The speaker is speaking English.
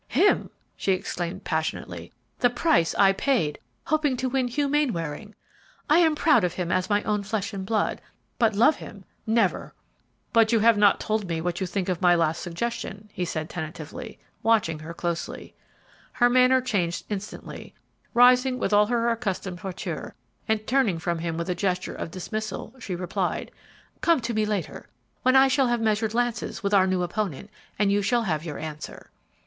"Him!" she exclaimed, passionately; "the price I paid hoping to win Hugh Mainwaring! I am proud of him as my own flesh and blood, but love him? Never!" "But you have not yet told me what you think of my last suggestion," he said, tentatively, watching her closely. Her manner changed instantly; rising with all her accustomed hauteur and turning from him with a gesture of dismissal, she replied, "Come to me later, when I shall have measured lances with our new opponent, and you shall have your answer."